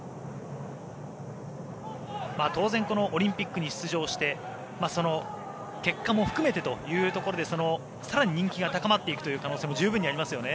当然、オリンピックに出場して結果も含めてというところで更に人気が高まっていく可能性も十分ありますよね。